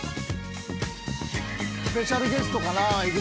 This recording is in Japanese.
スペシャルゲストかなぁ？